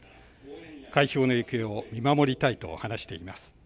開票の行方を見守りたいと話しています。